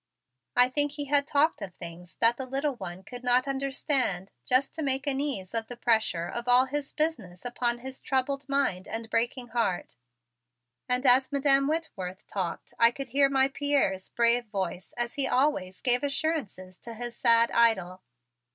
I think he had talked of things that the little one could not understand just to make an ease of the pressure of all of his business upon his troubled mind and breaking heart. And as Madam Whitworth talked I could hear my Pierre's brave voice as he always gave assurances to his sad idol.